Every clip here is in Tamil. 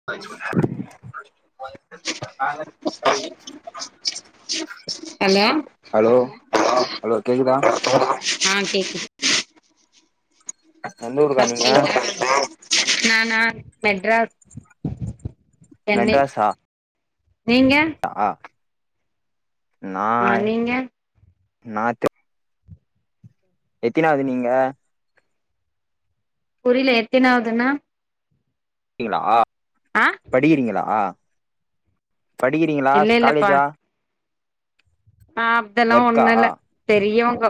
[inaudible] [inaudible] ஹலோ ஹலோ ஹலோ கேக்குதா ஆ கேக்குது எந்த ஊருக்கா நீங்க நானா மெட்ராஸ் சென்னை மெட்ராஸா நீங்க ஆ நா ஆ நீங்க நா எத்தினாவது நீங்க புரியல எத்தினாவதுன்னா ங்களா ஆ படிக்கிறீங்களா படிக்கிறீங்களா இல்ல இல்லப்பா காலேஜ்ஜா ஆ அதெல்லா ஒர்க்கா ஒண்ணு இல்ல பெரியவங்க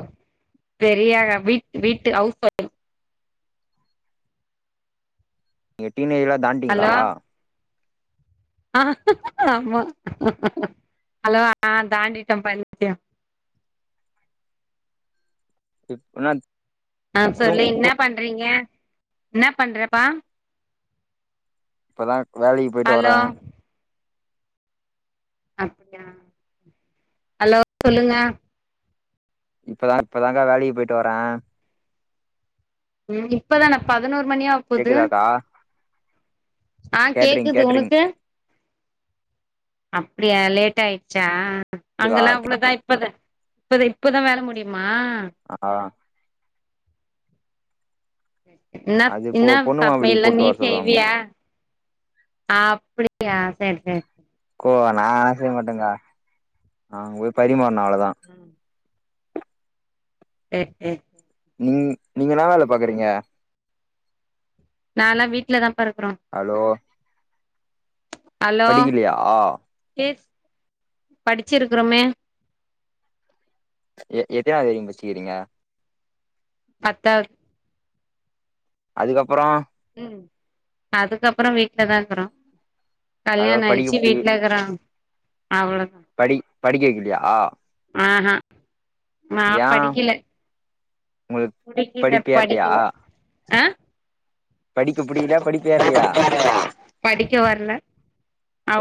பெரிய வீட் வீட்டு வுஸ் நீங்க டீன் ஏஜ்லா தான்டீங்களா ஹலோ ஆமா ஹலோ ஆ தாண்டிட்டோ [unintelligible] [unintelligible] ஆ தூ சொல்லு இன்ன பண்றீங்க இன்னா பண்றப்பா இப்போதா வேலைக்கி போயிட்டு ஹலோ வரே அப்டியா ஹலோ சொல்லுங்க இப்பதா இப்பதாங்கா வேலைக்கி போயிட்டு வரே ம் இப்பதானா பதினோரு மணியா போது கேக்குதாக்கா ஆ கேட்ரிங் கேக்குது கேட்ரிங் உனக்கு அப்படியா லேட் ஆயிடுச்சா இதுக்கா அங்கெல்லா அவ்வளவுதா இப்பத இப்பதா இப்பதா வேல முடியுமா ஆ இன்னா அது பொ இன்னா பொண்ணு மாப்பிள்ளைக்கு சமையல்லா போட்டு நீ வர சொல்லுவாங்கோ செய்வியா அப்படியா சேரி சேரி கோ நா ஆன செய்ய மாட்டேங்கா அங்க போய் பரிமாறணு அவ்வளோதா எ எ நீங் நீங்க என்னா வேல பாக்குறீங்க நான்லா வீட்ல தா பா இருக்குறோ ஹலோ ஹலோ படிக்கலையா எஸ் படிச்சிருக்குறோமே எ எத்தினாவது வரைக்கு படிச்சிருக்கீங்க பத்தா அதுக்கப்பறோ ம் அதுக்கப்பற வீட்ல தா இருக்குறோ கல்யாண அதாவது படிக்க ஆயிச்சு படி வீடலக்கறோ அவளதா படி படிக்க வைக்கலையா ஆஹா நா ஏ படிக்கல உங்களுக்கு புடிக்கல படிப்பு ஏர்லையா படிக்கல ஆ படிக்க புடிக்கலையா படிப்பு ஏர்லையா படிக்க வரல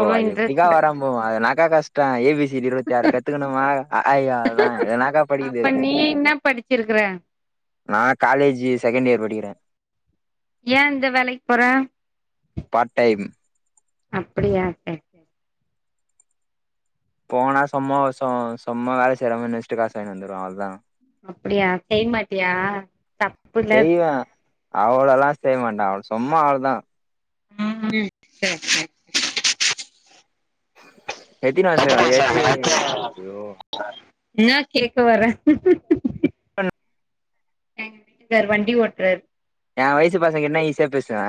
ஓ அது இன்ட்ரெஸ்ட் எப்டிக்கா இல்ல வராமபோகு அது என்னாக்கா கஷ் ஏ பி சி டி இருவத்தாறு கத்துக்கணுமா அ ஆ இ அவ்ளோதா இது என்னாக்கா அப்ப படிக்குது நீ என்ன படிச்சிருக்குற நா காலேஜ்ஜு செகண்ட் இயர் படிக்கிற ஏ இந்த வேலைக்கு போற பார்ட் டைம் அப்படியா சரி சரி போனா சம கஷ்ட சும்மா வேல செய்ற மாரி நடிச்சிட்டு காசு வாங்கிட்டு வந்துருவ அவளதா அப்படியா செய்யமாட்டியா தப்புல்ல அவளெல்லா செய்ய மாட்ட அவ சும்மா அவ்ளதா ஆ சரி சேரி எத்தினாச எத்தி அய்யோ என்னா கேக்க வர [unintelligible] எங்க வீட்டுக்கார் வண்டி ஓட்றாரு ஏ வயசு பசங்கிட்டனா ஈசியா பேசுவே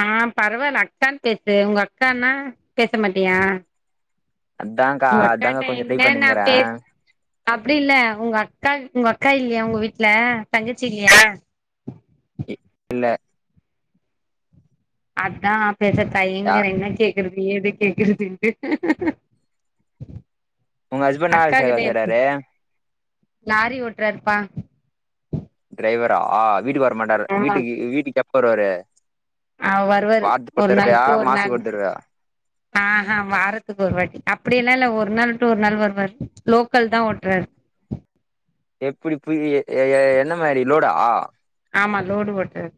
ஆ பரவால்ல அக்கான்னு பேசு உங்க அக்கனா பேச மாட்டியா அதான்க்கா அதான்க்கா உங்கக்காட்ட கொஞ்சோ ட்ரை என்ன நா பண்ணினுக்கிறே பேச அப்டில்ல உங்கக்கா உங்கக்கா இல்லையா உங்க வீட்ல தங்கச்சி இல்லையா இல்ல அததா பேசற யா தயங்கற என்னச்சே க்கறது ஏது கேக்குறது உங்க ஹஸ்பண்ட் என்ன வேல சா அக்காகிட்டே இருக்கு செய்றாரு லாரி ஓட்றாருப்பா டிரைவரா ஆ வீட்டுக்கு வர மாட்டாரு ஆமா வீட்டுக்கு வீட்டுக்கு எப்போ வருவாரு ஆ வருவாரு வாரத்துக்கு ஒரு நாள் தடவையா விட்டு ஒரு நாள் மாசத்துக்கு தடவையா ஆஹா வாரத்துக்கு ஒருவாட்டி அப்படியல்லா இல்ல ஒரு நாள் விட்டு ஒரு நாள் வருவாரு லோக்கல் தா ஓட்றாரு எப்படி பு எ என்ன மாரி லோடா ஆமா லோடு ஓட்றது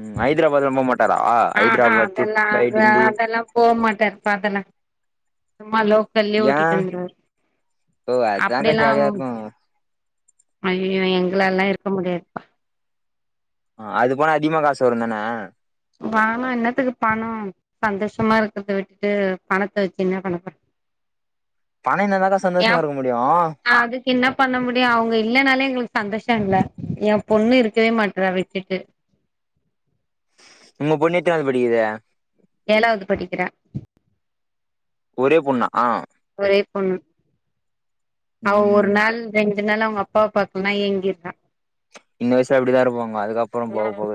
ம் ஹதராபாத் ரொம்ப மா டரா ஆஹா அதெல்லா அ அதெல்லா போகமாட்டார்பா அதெல்லா சும்மா லோக் சல்லி ஏ ஓட்டிட்டு வந்துருவாரு ஓ அதான்க்கா அப்படியெல்லா ஜாலியா இருக்கு அய்யயோ எங்கலாலா இருக்க முடியாதுப்பா ஆ அது போன அதிகமா காசு வருந்தான வாங்கா என்னத்துக்கு பணோ சந்தோஷமா இருக்கறத விட்டுட்டு பணத்த வச்சு என்ன பண்ணப்போற பண இருந்தாதாக்கா சந்தோஷமா இருக்க முடியு அதுக்கு என்ன பண்ண முடியு அவங்க இல்லனாலே எங்ளுக்கு சந்தோஷோ இல்ல ஏ பொண்ணு இருக்கவே மாட்றா விட்டுட்டு உங்க பொண்ணு எத்தினாவது படிக்குது ஏழாவது படிக்கிற ஒரே பொண்ணா ஒரே பொண்ணு அவ ஒரு ம் நாள் ரெண்டு நாள் அவங்க அப்பாவ பாக்கலனா ஏங்கிறா இந்த வயசுல அப்டிதா இருப்பாங்க அதுக்கப்றோ போக ம் போக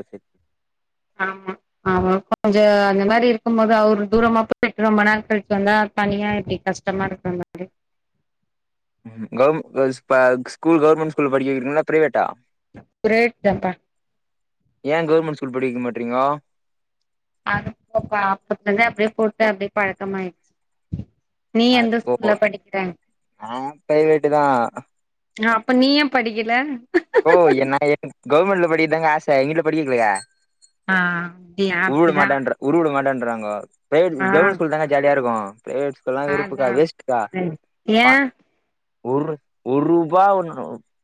ஆமா ஆமா கொஞ்சோ அந்த மாரி இருக்கும்போது அவர் தூரமா போய் ரொம்ப நாள் கழிச்சு வந்தா தனியா எப்டி கஷ்டோ கஷ்டமா இருக்குள்ள ம் கவ்‌ இப்ப ஸ்கூல் கவுர்மெண்ட் ஸ்கூல்ல படிக்க வெக்கிறீங்ளா இல்ல ப்ரைவேட்டா ப்ரைவேட் தா பா ஏ கவுர்மென்ட் ஸ்கூல் படிக்க வெக்க மாட்டிறீங்கோ அது [inaudible] அப்பத்லந்தே அப்டியே போட்டு அப்டியே பழக்கமாய்ச்சு ஓ நானு ப்ரைவேட்டு தா ஆ அப்ப நீ ஏ படிக்கல அக்கோ எனக்கு என்ன கவர்மெண்ட்ல படிக்கதாங்க ஆச எங்க வீட்ல படிக்க வெக்கலியே ஆ அப்டியா உருபட அப்டிதா மாட்ட உருபட மாட்டேன்றாங்கோ ஆ கவர்மெண்ட் ஸ்கூல் தாங்க ஜாலியா இருக்கு பிரைவேட் ஸ்கூல்ல்லா வெருப்புக்கா அதா வேஸ்டுக்கா ஏ ஒரு ஒரு ரூபாய் ஒ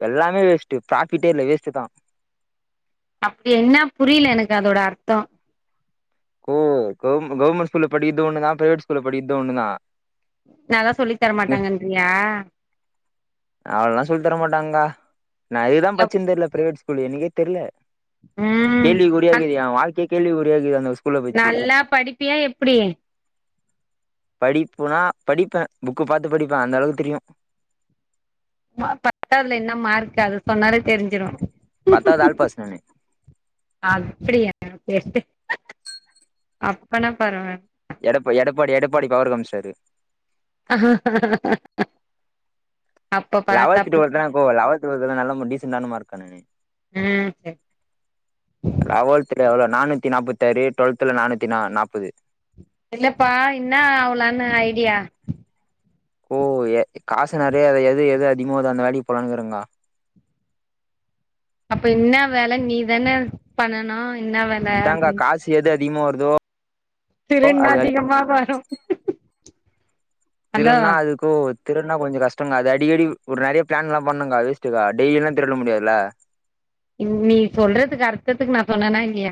எல்லாமே வேஸ்ட்ட் ப்ராஃபிட்டே இல்ல வேஸ்ட்டு தா அப்டி என்ன புரில எனக்கு அதோட அர்த்தோ க்கோ கவர் கவர்மெண்ட் ஸ்கூல்ல படிக்கிறது ஒன்னு தா பிரைவேட் ஸ்கூல்ல படிக்கிறது ஒன்னு தா நல்லா சொல்லி தரமாட்டாங்கன்றியா அவ்ளல்லா சொல்லி தரமாட்டாங்க்கா நா எதுக்குதா படிச்சேன்னே தெரில பிரைவேட் ஸ்கூல் எனக்கே தெரில ம் கேள்வி குரியா அத இக்குது ஏ வாழ்க்கையே கேள்வி குரியா இக்குது அந்த ஸ்கூல்ல பச்சி நல்லா படிப்பியா எப்டி படிப்புனா படிப்பே புக்கு பாத்து படிப்பே அந்த அளவுக்கு தெரியு பத்தாவதுல என்ன மார்க்கு அது சொன்னாலே தெரிஞ்சிரு பத்தாவது ஆல் பாஸ் நானு அப்டியா செர் செரி அப்பனா பரவால்ல எடப் எடப்பாடி எடப்பாடி பவுரு காமிச்சுட்டாரு அப்ப பாத்தா லெவல்டூ டூவெல்த்துல தானே போவ லெவல்து டூவெல்த்துலலா நல்ல டீசண்டான மார்க் கா நானு ம் லெவல்த்ல எவ்ளோ நானூத்தி நாப்பத்தாறு டூவெல்த்ல நானூத்தி நா நாப்பது இல்லப்பா என்னா ஆவுளான்னு ஐடியா ஓ எ காசு நெறையா எது எது அதிகமா வருதோ அந்த வேலைக்கு போலானு இருக்குறேக்கா அப்ப இன்னா வேல நீதானே பண்ணனு இன்ன வேல அத்தாக்கா அப்டின்னு காசு எது அதிகமா வருதோ அது திருட்னா வேலைக் அதிகமா வரு ஹலோ திருட்னா அது க்கோ திருடுனா கொஞ்சோ கஷ்டோ கா அது அடிக்கடி ஒரு நெறைய ப்ளான்ல்லா பண்ணுக்கா வேஸ்டுக்கா டெய்லில்லா திருட முடியாதுல நீ சொல்றதுக்கு அர்த்தத்துக்கு நா சொன்னேனா இல்லியா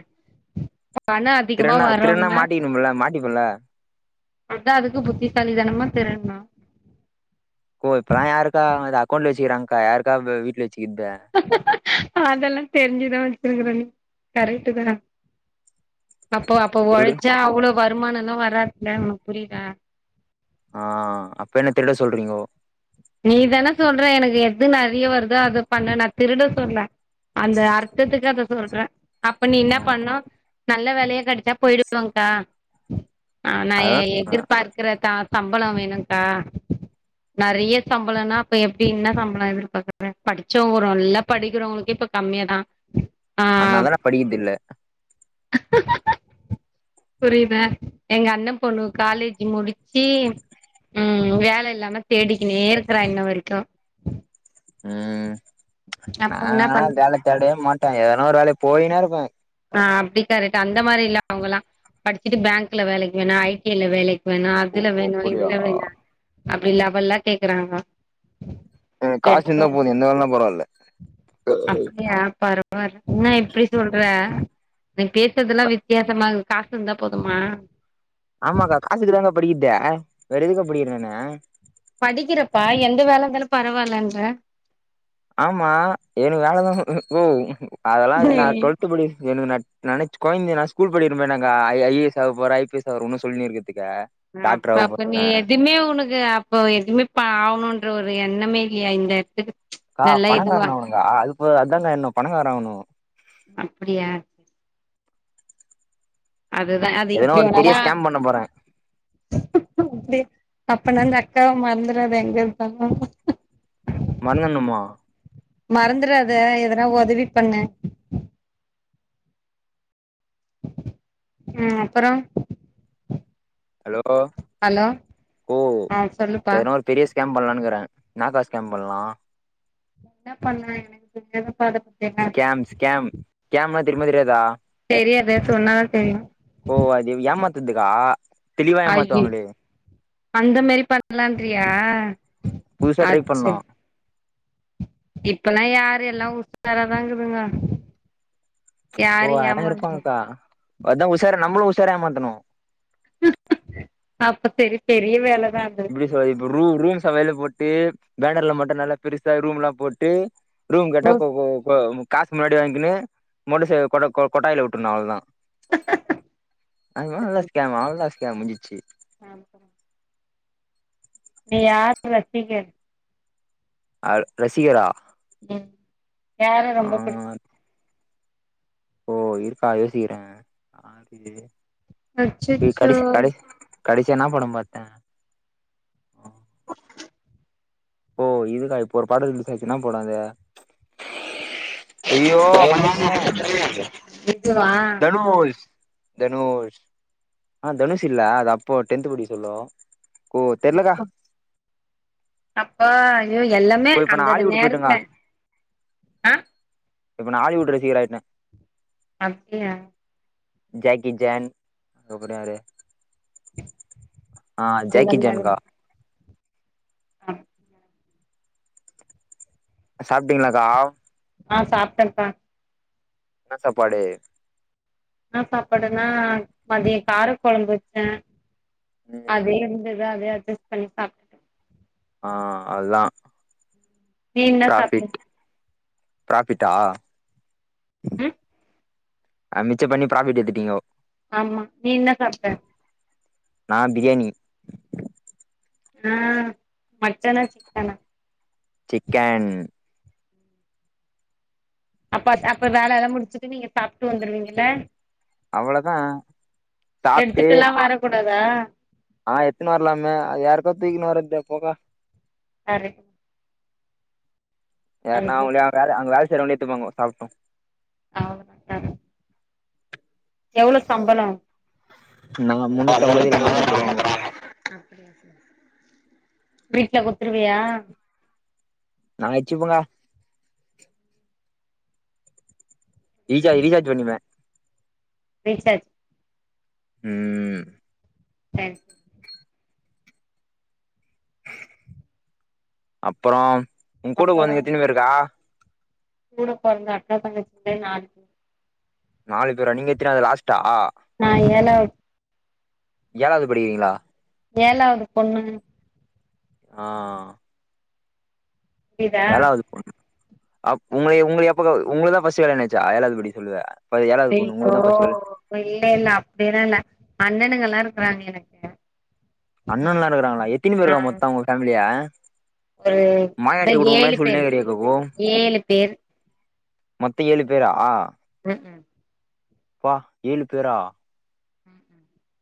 பணோ அதிகமா திருட்னா திருட்னா வருன்னா மாட்டிக்கணும்ல மாட்டிப்பல்ல அதா அதுக்கு புத்திசாலி தனமா திருட்னு கோ இப்பல்லா யார்க்கா அக்கௌண்ட்ல வச்சிக்கிறாங் கா யார்க்கா வெவ் வீட்ல வச்சிக்கிர்த அதெல்லா தெரிஞ்சுதா வெச்சிர்க்குற நீ கரெட்டு தா அப்போ அப்ப எப்டி ஒழச்சா அவ்ளோ வருமானனா வராத் ல உனக் புரிதா ஆ அப் என்ன திருட சொல்றீங்கோ நீ தான சொல்றே எனக்கு எது நறிய வருதோ அத பண்ணு நா திருட சொல்ல அந்த அர்த்தத்துக்கு அத சொல்ற அப்ப நீ ஆ இன்னா பண்ணு நல்ல வேலயா கடிச்சா போய்டுவென்க்கா ஆ நா எ அதா எ ஆ எதிர்பார் க்குறத்தா சம்பளோ வேணுன்கா நறிய சம்பளனா அப்ப எப்டி என்னா சம்ப்லோ எதிர்பாக்குற படிச்சோங்க நல்லா படிக்கிறவங்களுக்கே இப்ப கம்மியா தா அனால ஆ தா நா படிக்கிற்தில்ல புரியுதா எங்க அண்ண பொண்ணு காலேஜி முடிச்சி ம் வேல இல்லாம தேடிக்கினேருக்றா இன்னு வரைக்கு ம் அப்ப என்ன நாங்கலா பண் வேல தேடே மாட்டோ எதனா ஒரு வேலை போயினே இர்ப்பே ஆ அப்டி கரெட் அந்த மாரி இல்ல அவுங்கல்லா படிச்சுட்டு பேங்க்ல வேலைக் வேணா ஐ டி ல வேலெ வேணா ஓ அதுல வேணாலு அப்டியா இதுல வேணா அப்டி லவல்லா கேக்குறாங்கோ என காசு இந்தா போது எந்த வேலலா பரவால்ல அப்டியா பர்வால இன்ன இப்டி சொல்ற நீ பேசுதுெல்லா வித்யாசமா இகு காசு இந்தா போதுமா ஆமாக்கா காசுக்கு தாங்க படிக்கித்தே வேற் எதுக்கா படிக்கிறனு படிக்கிறப்பா எந்த வேல இருந்தாலு பரவால்லன்ற ஆமா எனக்கு வேலதா உ ஓவ் அதெல்லாத் நா டுவல் த்துபடிஸ் சொனுங் நக் நனச் கொய்ந்த நா‌ ஸ்கூல் படிக்கிற பையனாக்கா ஐ ஐ ஏ எஸ் ஆக போறே ஐ பி எஸ் ஆறோ உன்னு சொல்லினே இர்க்குத்துக்க அப்ப அப்ப நீ எதுமே உனக்கு அப் போ எதுமே ப்பா ஆவணுன்ற ஒரு எண்ணமே இல்யா இந்த எட்த்துக்கு கா பணக்காரனாவனுக்கா அதுப்போத் அதான்கா எண்ணோ பணக்கார ஆவ்னு அப்டியா அதுதா அது எதனா எப்டி ஒரு பெரிய வேணாலு ஸ்கேம் பண்ண போறே ஹோ ப்டி அப்பனா அந்தக்காவ மற்ந்துறாத எங்கெருந்தாலு மற்ந்துனுமா மறந்துறாத எதுனா ஒதவி பண்ணு உம் அப்பறோ அலோ ஹலோ ஓ ஆ சொல்லுப்பா ஏனோர் பெரியஸ் கேம்பண்லான்க்குறே நாக்கா ஸ்கேம்ம் பன்லா என்ன பண்ணய் எனக்கு தெரியாதுப்பா அத ப்தி எல்லா கேம் ஸ்கேம் கேம்ம தெரிமா தெரியாதா தெரியாதே சொன்னாதா தெரியு ஓ அதிவ் ஏமாத்துதுக்கா தெளிவா ஐயி ஏமாத்துவாங்களே அந்த மாரி பண்லான்றியா புதுசா ட்ரை அச்செ பண்ணலா இப்பலா யாரு எல்லா உசாராதா இக்குதுங்க யாரி ஏமாந் ஹ அத்தா உசார நம்மளு உஷார ஏமாத்தணு அப்ப செரி பெரிய வேலதா அது எப்டி சொல் இப்ப ரூ ரூம் சவைல போட்டு பேனர்லாம் மட்டு நல்லா பெருசா ரூம் எல்லா போட்டு ரூம் கேட்டா கொ யோஸ் கொ கொ காஸ் முன்னாடி வாங்கிக்கின்னு மொட்டுசே கொடு கோ கொட்டாய்ல விட்ருணு அவ்ளதா [unintelligible] முஞ்சிச்சி அம் ஏ யாரா டீ கேட் அ ரசிகரா ம் யார ஆ ரொம்ப புடிக் ஓ இருக்கா யோசிக்கிறே அது அச்சச்சோ கடசி கடசி கடசியா என்னா படோ பாத்தே ஆ ஓ இதுக்கா இப்போ ஒரு படோ ரிலிஸ் ஆச்சி என்னா படோ அது ஐயோ வந்துட்னே விட்றவா தனுஷ் தனுஷ் ஆ தனுஷ் இல்ல அது அப்போ டென்த் படிக்க சொல்லோ ஓ தெர்லக்கா அப்போ ஐயோ எல்லாமே இப்ப நா அந்தந்த ஹாலிவுட் நேரத்துல போயிட்டேங்கா ஆ இப்ப நா ஹாலிவுட் ரசிகராயிட்ட அப்டியா ஜாக்கி ஜான் அப்ரோ யாரு ஆ ஜாக்கி ஜான்கா அ சாப்டீங்ளாக்கா ஆ சாப்டன்பா என்ன சாப்பாடு என்னா சாப்பாடுனா மதிய கார கொழம்பு வச்சே ம் அதே வந்து அத அதே அட்ஜஸ்ட் பண்ணி சாப் ஆ அதுதா நீ என்ன சாப்ட்ட பிராஃபிட் பிராஃபிட்டா ம் ஆ மிச்ச பண்ணி ப்ராஃபிட் எத்துட்டீங்கோ ஆமா நீ என்ன சாப்ட நா பிரியாணி ஆ மட்டனா சிக்கனா சிக்கன் அப்ப அப்ப வேல எல்லா முடிச்சுட்டு நீங்க சாப்டு வந்துடுவீங்கல்ல அவ்வளோதா சாப்ட்டு எடுத்துட்டு எல்லா வரக்கூடாதா ஆ எத்துனு வரலாமே அத யாருக்கா தூக்கினு வரது போகா அரி யாருனா அவ்ளோதா அவங்களே வேல அங்க வேல செய்றவங்களே எடுத்துப்பாங்க சாப்ட்டு அவ்ளோதாங்க யாரு எவ்ளோ சம்பளோ நா ஆ முன்னூத்தம்பது இல்ல முண்ணுத்தம்பது நானூத்தி ரவுண்டா ரூவாங்கோ தருவாங்க வீட்ல குத்துருவியா நா வச்சுப்பங்கா ரீசா ரீசார்ஜ் பண்ணிப்பே ரீசார்ஜ் ம் சரி அப்றோ உங்கூட அப்பறோ பொறந்தங்க எத்தினி பேருக்கா கூட போறந்த அக்கா தங்கச்சி நாளு நாலு பேரா நீங்க எத்தினாது லாஸ்ட்டா நா ஏழாவ்து ஏழாவது படிக்கிறீங்ளா ஏழாவது பொண்ணு ஆ புரியுதா ஏழாவது அப்ப உங்கள உங்களுக்கு எப்ப உங்களுக்கு தா ஃபர்ஸ்ட் கல்யாணோ ஆயிச்சா ஏழாவது படி சொல்லுவ ஏழாவது பொண்ணு ஐயோ உங்களுக்குதா ஃபர்ஸ்ட் கல்யாணோ இல்ல இல்ல அப்டில்லா இல்ல அண்ணனுங்கல்லா இருக்கறாங்க எனக்கு அண்ணல்லா இருக்கிறாங்ளா எத்தினி பேருக்கா ஆ மொத்தோ உங்க ஃபேமிலில ஒரு இந்த மாயாண்டி குடும்பம் ஏழு மாரி சொல்லினே பேரு இருக்கிரியேக்கா க்கோ ஏழு பேர் மொத்த ஏழு பேரா ம் ப்பா ஏழு பேரா ம்